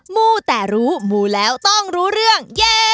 มู้แต่รู้มูแล้วต้องรู้เรื่องแย่